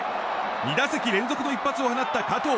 ２打席連続の一発を放った加藤。